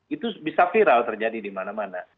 itu bisa viral terjadi dimana mana